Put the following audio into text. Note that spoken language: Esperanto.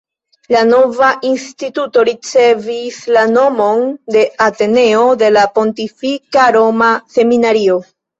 La nova Instituto ricevis la nomon de “Ateneo de la Pontifika Roma Seminario”.